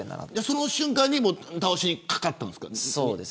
その瞬間に倒しにかかったんですか。